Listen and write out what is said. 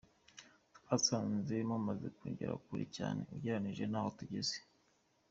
Twasanze mumaze kugera kure cyane ugereranije n’aho tugeze.